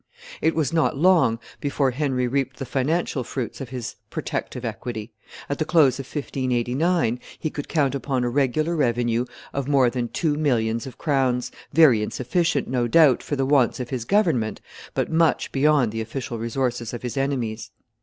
It was not long before Henry reaped the financial fruits of his protective equity; at the close of 1589 he could count upon a regular revenue of more than two millions of crowns, very insufficient, no doubt, for the wants of his government, but much beyond the official resources of his enemies.